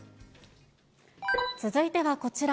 続いてはこちら。